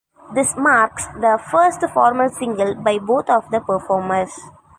This marks the first formal single by both of the performers.